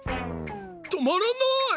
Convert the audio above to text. とまらない！